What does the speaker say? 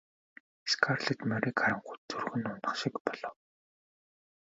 Скарлетт морийг харангуут зүрх нь унах шиг болов.